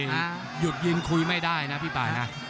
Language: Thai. หยุดยืนคุยไม่ได้นะพี่ป่านะ